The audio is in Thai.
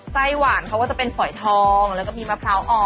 ไส้หวานเขาก็จะเป็นฝอยทองแล้วก็มีมะพร้าวอ่อน